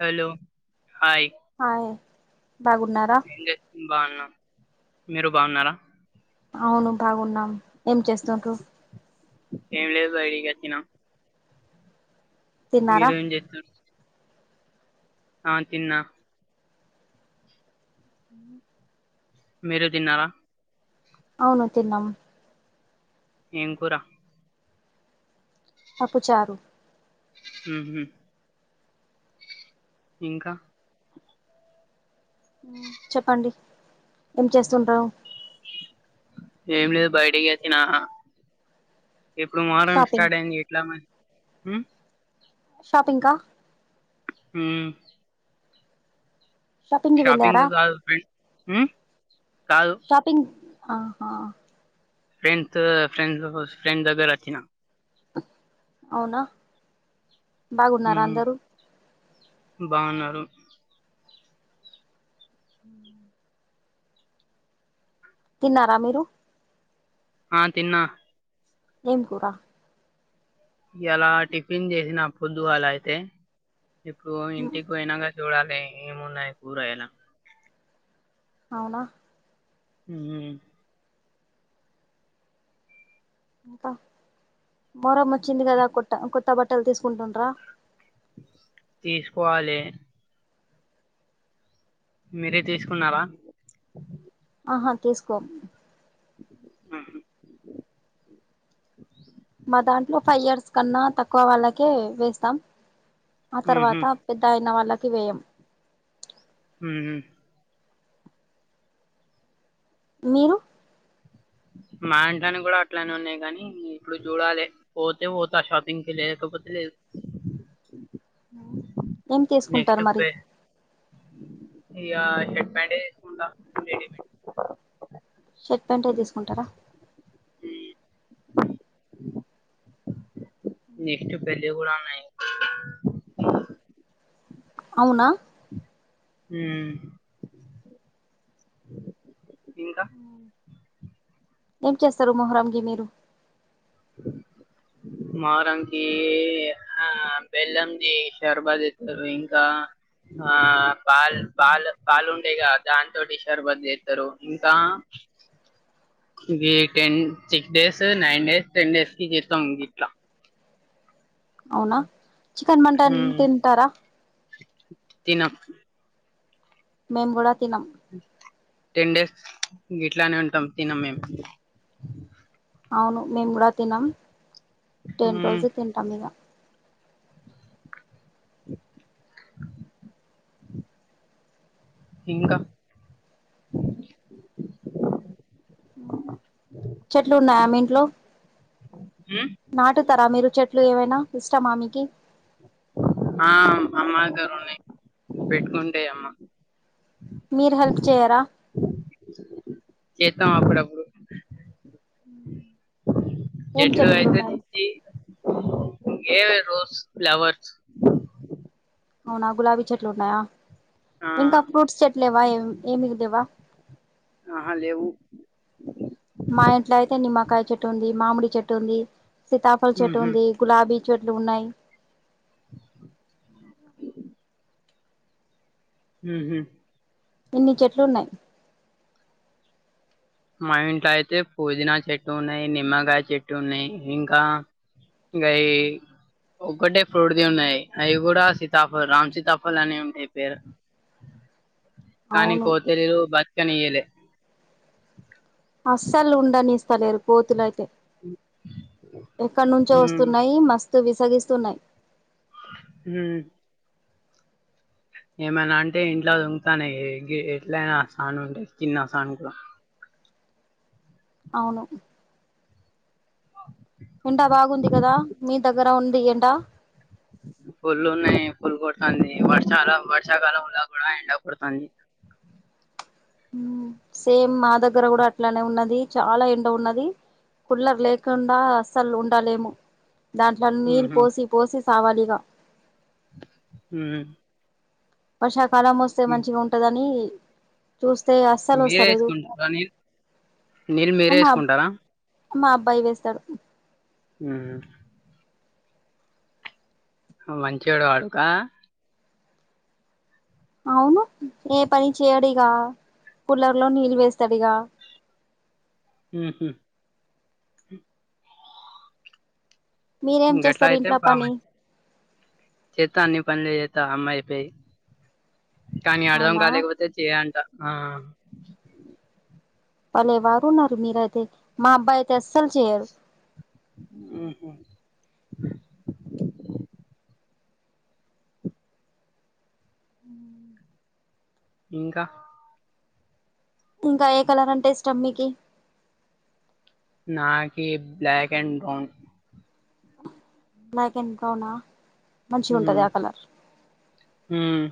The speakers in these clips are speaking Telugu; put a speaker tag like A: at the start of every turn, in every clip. A: హలో హాయ్
B: హాయ్ బాగున్నారా
A: ఏం చే బాగున్నా మీరు బాగున్నారా
B: అవును బాగున్నాం ఏం చేస్తుంట్రూ
A: ఏమి లేదు బైడికచ్చినా
B: తిన్నారా
A: మీరు ఏం చెత్తురు ఆ తిన్నా మేరు తిన్నార
B: అవును తిన్నమ్
A: ఏంకురా
B: పప్పుచారు
A: ఉహ్మ్ ఇంకా
B: చెప్పండి ఏం చేస్తుంటవు
A: ఏం లేదు బయటికచ్చినా ఇప్పుడు మొహరం
B: షాపింగ్
A: స్టార్ట్ అయింది ఎట్లా మరి ఉమ్
B: షాపింగ్ కా
A: ఉమ్
B: షాపింగ్కి వెళ్ళారా
A: కాదు ఫ్రెండ్స్ కాదు
B: షాపింగ్ ఆహా
A: ఫ్రెండ్స్ ఫ్రెండ్స్ ఫ్రెండ్ దగ్గర వచ్చిన
B: అవునా బాగున్నారా
A: మ్మ్.
B: అందరూ
A: బాగున్నారు
B: ఉ తిన్నారా మీరు
A: ఆ తిన్నా
B: ఎం కూరా
A: ఇయ్యాల టిఫిన్ చేసిన పొద్దుగాల అయితే ఇప్పుడు ఇంటికి పోయినాక చూడాలే ఏమన్నాయ్ కురాగాయల
B: అవునా
A: ఉమ్
B: ఇంకా మొహరం వచ్చింది కదా కొట్ట కొత్త బట్టల్ తీసుకుంటుండ్రా
A: తీస్కోవాలె మీరే తీసుకున్నారా
B: ఆహా తీసుకొం
A: ఉహు
B: మా దాంట్లో ఫైవ్ ఇయర్స్ కన్నా తక్కువ వాళ్ళకే వేస్తాం ఆ
A: ఉహు
B: తర్వాత పెద్ద అయిన వాళ్ళకి వేయం
A: ఉహు
B: మీరు అ
A: మా ఇంట్లోని కూడా అట్లనే ఉన్నాయి కానీ ఇప్పుడు చూడాలి పోతే పోతా షాపింగ్కి లేకపోతే లేదు
B: ఏం తీసుకుంటారు మరి
A: ఇయ షర్ట్ ప్యాంటే తీసుకుంటా రెడీమేడ్
B: షర్ట్ ప్యాంటే తీసుకుంటారా
A: నెక్స్టు పెళ్ళి కూడ ఉన్నాయ్
B: అవ్నా
A: ఊ
B: ఏం చేస్తారు మొహ్రం గి మీరు
A: హ మొహరంకి ఆ బెల్లంది శర్బత్ చెత్తం ఇంకా ఆ పాల్ పాలు పాలు ఉండేగా దాంతో టి షర్బత్ చేస్తరు ఇంకా ఇవి ten six days nine days ten days కి చేస్తాం గిట్ల
B: అవునా చికెన్ మంటన్ తింటారా
A: తిన
B: మెంగుడ తినం
A: టెన్ డేస్ గిట్లానే ఉంటాం తినం మేము
B: అవును మేము గుడా తినం టెన్
A: ఉమ్
B: రోజు తింటాం ఇగ
A: ఇంకా
B: చెట్లు ఉన్నాయా మి ఇంట్లో
A: ఉమ్
B: నాటుతారా మీరు చెట్లు ఏమైనా ఇష్టమా మీకి
A: అమ్మాగాయ్ ఉన్నాయి పెట్టుకుంటే అమ్మ
B: మీరు హెల్ప్ చేయరా
A: చెతాం అప్పుడుప్పుడు
B: హ
A: చెట్లు పెంచుతుంది ఏవి రోజ్ ఫ్లావర్స్
B: అవునా గులాబీ చెట్లున్నాయా
A: ఆ
B: ఇంకా ఫ్రూట్స్ చెట్లేవా ఏ ఏమి లేవ్వా
A: ఆహా లేవు
B: మా ఇంట్లో అయితే నిమ్మకాయ చెట్టు ఉంది మామిడి చెట్టు ఉంది సితాఫల్ చెట్టు
A: ఉహు
B: ఉంది గులాబీ చెట్లు ఉన్నాయ్
A: ఉహు
B: ఇన్ని చెట్లున్నాయ్
A: మా ఇంట్లో అయితే పోదీనా చెట్టున్నాయి నిమ్మకాయ చెట్టున్నాయ్ ఇంకా గయి ఒక్కటే ఫ్రోడ్ది ఉన్నాయి అవి కూడా సితాఫ రామ్ సితాఫల్ అని ఉంటాయి పేరు కానీ
B: అవును
A: కోతరిలు బతుకనియ్యలే
B: అస్సల్ ఉండనిస్తలేరు కోతులయితే ఎక్కడ నుంచో
A: ఉమ్
B: వస్తున్నాయి మస్ తు విసగిస్తున్నాయ్
A: ఉమ్ ఏమైనా అంటే ఇంట్లో దొంకుతానయ్ ఎట్లయినా సాను ఉండె చిన్న సానుకు
B: అవును ఎండ బాగుంది కదా మీ దగ్గర ఉంది ఎండ
A: పుల్ ఉన్నాయి పుల్ కొడుతంది వర్షల వర్షాకాలంలా కూడా ఎండ కొడుతంది
B: ఉ సేమ్ మా దగ్గర కూడా అట్లానే ఉన్నది చాలా ఎండ ఉన్నది కుళ్లర్ లేకుండా అస్సల్ ఉండాలేము దాంట్ల నీళ్ పోసి పోసి సావాలిగా
A: ఉ
B: వర్షాకాలం వస్తే మంచిగా ఉంటదని చూస్తే అస్సలు
A: మీరే
B: వస్తాలేదు
A: వేసుకుంటారా నీళ్ళు నీళ్ళు మీరే
B: ఆహా
A: వేసుకుంటారా
B: మా అబ్బాయి వేస్తాడు
A: ఉ మంచొడు వాడుక
B: అవును ఏ పని చేయడిగా కులర్లో నీళ్ళు వేస్తడిగా
A: ఉహు
B: మీరేం చేస్తారు ఇంట్లో పని
A: చెత్తా అన్ని పనులు చేత్తా అమ్మా చెప్పేయి కానీ అర్థం
B: అవునా
A: కాలేకపోతే చేయంట ఆ
B: బలే వారు ఉన్నారు మీరయితే మా అబ్బాయి అయితే అస్సలు చేయరు
A: ఉహు
B: ఉ
A: ఇంకా
B: ఇంకా ఏ కలర్ అంటే ఇష్టం మికి
A: నాకి black and brown
B: black and బ్రౌనా మంచిగుంటది
A: మ్మ్.
B: ఆ కలర్
A: మ్మ్.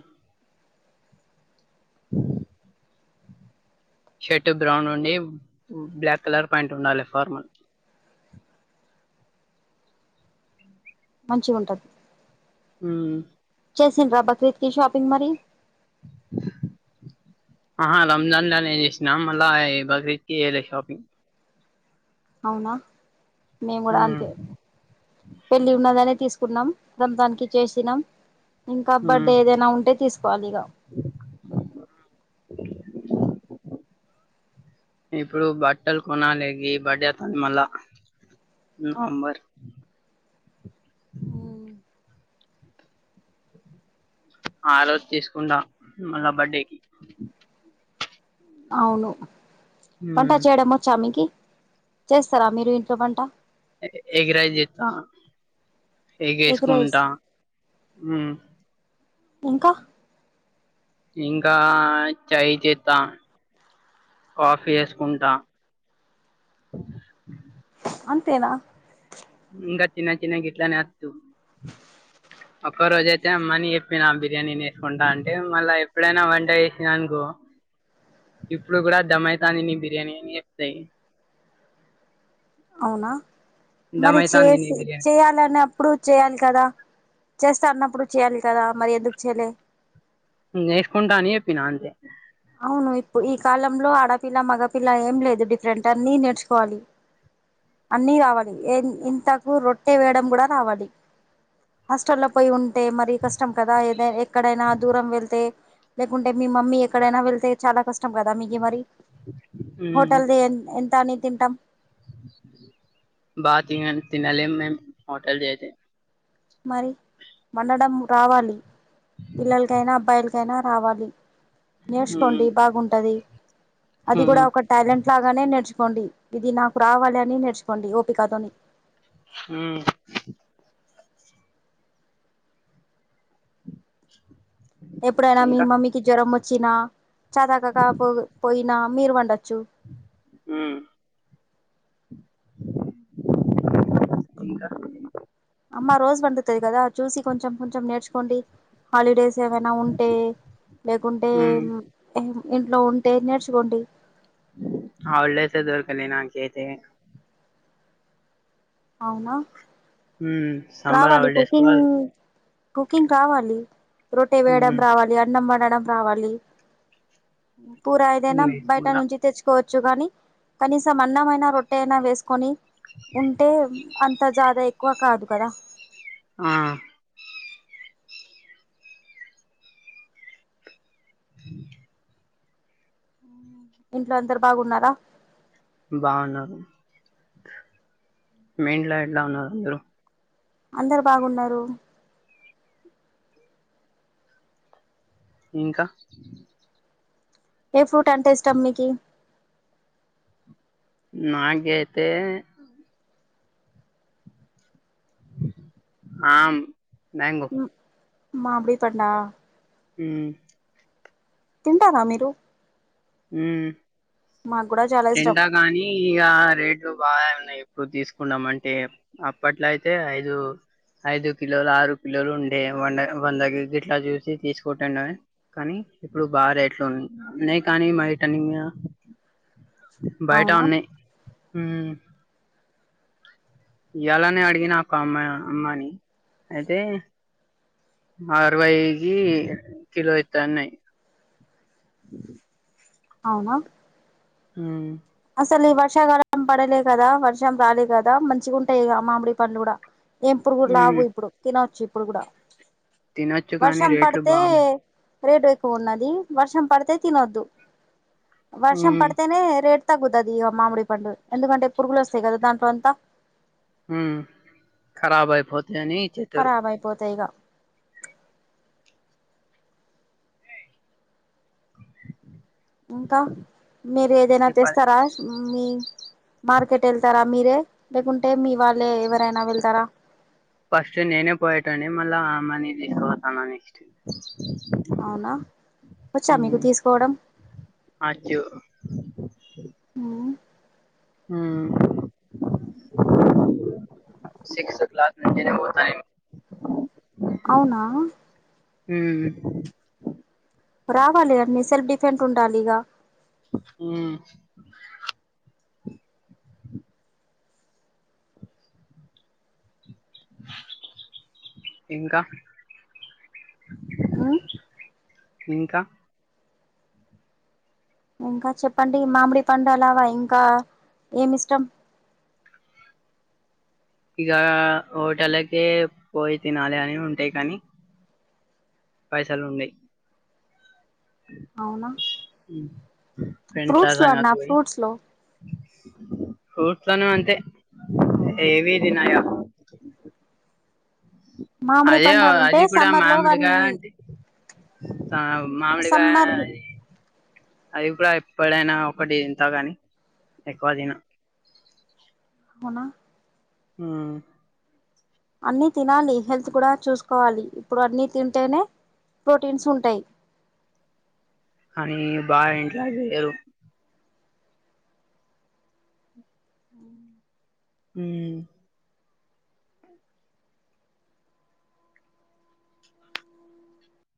A: ఉ షర్ట్ బ్రౌన్ ఉండి బ్లాక్ కలర్ ప్యాంట్ ఉండాలె ఫార్మల్
B: మంచిగుంటద్
A: ఉమ్
B: చేసిండ్రా బక్రీద్కి శాపింగ్ మరి
A: ఆ రంజాన్ లానేే చేసినా మళ్ళా బక్రీద్కి చేయాలె షాపింగ్
B: అవునా మేము కూడా
A: మ్మ్.
B: అంతే పెళ్ళి ఉన్నదనే తీసు కున్నాం రంజానికి చేసినాం ఇంకా
A: మ్మ్.
B: బడ్డే ఏదైనా ఉంటే తీసుకోవాలిగ
A: ఇప్పుడు బట్టలు కొనాలె గీ బడ్డే అత్తంది మళ్ళా నవంబర్
B: ఊ
A: ఆ రోజు తీసుకుండా మళ్ళా బర్డేకి
B: అవును వంట
A: మ్మ్.
B: చేయడం వచ్చామెకి చేస్తారా మీరు ఇంట్లో పంట
A: ఎగ్ ఎగరైజ్ జెతా
B: ఎగ్ రైస్
A: ఏగేసుకుంటా మ్
B: ఇంకా
A: ఇంకా చై చేతా కాఫీ వేసుకుంటా
B: అంతేనా
A: ఇంగ చినా చినా గిట్లానే అద్దు ఒక్క రోజ అయితే అమ్మని చెప్పినా బిర్యానీని వేసుకుంటా అంటే మళ్ళీ ఎప్పుడైనా వంట వేసినా అనుకో ఇప్పుడు కూడా దమ్ అయితాని నీ బిర్యానీ అని చెప్తాయి.
B: అవునా మరి
A: దమైతాంది నీ
B: చేసి
A: బిర్యానీ
B: చేయాలని అప్పుడు చేయాలి కదా. చేస్తా అన్నప్పుడు చెయాలి కదా మరి ఎందుకు చేయలే?
A: నేస్కంటాని ఏప్పిన అంతే
B: అవును ఇప్పుడు ఈ కాలంలో ఆ ఆడపిల్ల, మగపిల్ల ఏం లేదు డిఫరెట్ అన్ని నేర్చుకోవాలి. అన్నీ రావాలి ఏది ఇంతకు రొట్టె వేయడం కూడా రావాలి. హాస్టల్లో పోయి ఉంటే మరి కష్టం కదా ఏదై ఎక్కడైనా దూరం వెళ్తే లేకుంటే మీ మమ్మీ ఎక్కడైనా వెళ్తే చాలా కష్టం కదా మీకి మరి
A: మ్మ్
B: హోటల్ది ఎ ఎంతని తింటాం.
A: బ తినన్ తినాలెం మేం హటల్ చేతే
B: మరి వండడం రావాలి పిల్లలకైనా, అబ్బాయిలకి చనా రావాలి
A: మ్మ్
B: నేర్చుకోండి బాగుంటది. అది కూడా
A: మ్మ్
B: ఒక టాలెంట్ లాగానే నేర్చు కోండి ఇది నాకు రావాలి అని నేర్చుకోండి ఓపికదోని
A: హమ్
B: ఎప్పుడైనా మీ
A: ఇంకా
B: మమ్మీకి జ్వరం వచ్చినా, చదాకా పోయినా మీరు వండడి.
A: ఆ
B: అ
A: ఇంక
B: అమ్మా రోజు పండుతుది కదా చూసి కొంచెం కొంచెం నేర్చుకోండి హాలిడేస్. ఏమైనా ఉంటే లేకుంటే
A: మ్మ్
B: మ్ ఇంట్లో ఉంటే నేర్చుకోండి.
A: హాలిడేసే దొరకలే నా కేతే
B: అవునా
A: మ్మ్ సమ్మర్
B: రావాలి
A: హాలిడేస్ కూడా
B: కుకింగ్ కుకింగ్ కావాలి రొట్టే వేయడం
A: మ్మ్
B: రావాలి అన్నం వ వండడం రావాలి పూరా ఏదైనా బయట
A: లేకుండా
B: నుంచి తెచ్చుకోవచ్చు. చ్చు కానీ కనీసం అన్నంమైనా, రొట్టె అయినా వేసుకొని ఉంటే అంత జాదా ఎక్కువ కాదు కదా
A: ఆ అ
B: ఇంట్లో అందరు బాగున్నారా
A: బాగున్నారు ఇంట్లో ఎట్లా ఉన్నారు అందరు
B: అందరు బాగున్నారు
A: ఇంకా
B: ఏ ఫ్రూట్ అంటే ఇష్టం మీకి
A: నాకి ఐతే ఆమ్ మ్యాంగో
B: మాబ్బి పండా
A: ఉ
B: తింటారా మీరు
A: ఉ
B: మాకు కూడా చాలా ఇష్టం
A: తింటా కానీ ఇగ రేట్లు బాగా ఇప్పుడు తీసుకున్నాం అంటే అప్పట్లో అయితే ఐదు ఐదు కిలోలు ఆరు కిలోలు ఉండే వండ వంద కె జి ఇట్ల చూసి తీసుకుంటండవి కాని ఇప్పుడు బా రేట్లున్నయ్ ఉన్నయ్ కానీ మా ఇట నింగ బయట
B: అవునా
A: ఉన్నాయ్ ఇయలనే అడిగినా ఒక అమ్మాయ్ అమ్మాని అయితే అరవైగి కిలో ఇత్తన్నయ్
B: అవునా
A: ఉ
B: అసలు ఈ వర్షాకాలం పడలే కదా వర్షం రాలే కదా మంచిగా ఉంటాయి ఇగ మామిడి పండ్లు కూడా ఇప్పుడు కూడా
A: హ్మ్
B: లావు ఇప్పుడు తినచ్చు ఇప్పుడు కూడా
A: తినొచ్చు కానీ
B: వర్షం
A: రేట్లు
B: పడతే
A: బాగున్నాయి
B: రేటు ఎక్కువ ఉన్నది వర్షం పడితే తినొద్దు వర్షం
A: హ్మ్
B: పడితేనే రేటు తగ్గుతది ఇగ మామిడి పండు ఎందుకంటే పురుగులు వస్తాయి కదా దాంట్లోంతా
A: ఉ కారబ్ అయ్పో
B: కరాబ్ అయిపోతాయ్ ఇగ
A: అవు
B: ఇంకా మీరు ఏదైనా
A: చెప్పాలి
B: తెస్తారా మీ మార్కెట్ ఎళ్తరా మీరే లేకుంటే మీ వాళ్ళే ఎవరైనా వెళ్తారా
A: ఫస్ట్ నేనే పోయేటోడ్ని మళ్ళా అమ్మ ని తీసుకపోతాన నెక్స్ట్
B: అవునా వచ్చా మీకు
A: హ్మ్
B: తీసుకపోవడం
A: అచ్చు
B: ఊ
A: ఉ సిక్స్త్ క్లాస్ నుండి నైన్
B: అవునా
A: ఊ
B: సెంట్ ఉంటాలిగా
A: ఉ ఇంకా
B: మ్మ్.
A: ఇంకా
B: ఇంకా చెప్పండి మామిడి పండు అలావా ఇంకా ఏమి ఇష్టం
A: ఇగ హోటలకే పోయి తినాలి అని ఉంటయి కానీ పైసలున్డయ్
B: అవునా ఫ్రూట్స్ లో
A: ఫ్రెండ్స్లారాంగ
B: అన్నా
A: పోయి
B: ఫ్రూట్స్ లో
A: ఫ్రూట్స్లోన అంతే ఏవి తినయ
B: మామిడి పండాల్ అంటే
A: అది
B: సమ్మర్ లో వన్
A: స మామిడిగా
B: సమ్మర్
A: అది కూడా ఎప్పుడైనా ఒకటి తింటాగని ఎక్కువ తిన
B: ఔనా
A: ఉ
B: అన్ని తినాలి హెల్త్ కూడా చూసుకోవాలి ఇప్పుడు అన్ని తింటేనే ప్రోటీన్స్ ఉంటాయ్
A: ఈ బాగింట్లా చెయ్యరు ఉ